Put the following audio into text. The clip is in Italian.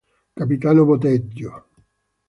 Capitano Bottego